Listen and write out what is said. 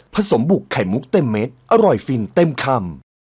สมบุกไข่มุกเต็มเม็ดอร่อยฟินเต็มคำ